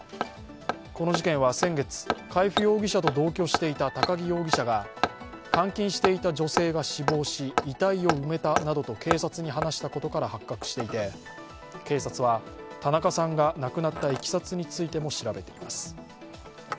この事件は先月、海部容疑者と同居していた高木容疑者が監禁していた女性が死亡し遺体を埋めたなどと警察に話したことから発覚していて、警察は、田中さんが亡くなったいきさつについても調べています。